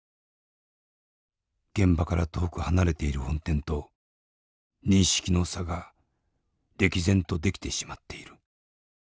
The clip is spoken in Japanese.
「現場から遠く離れている本店と認識の差が歴然とできてしまっている」。